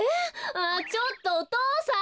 ああちょっとお父さん！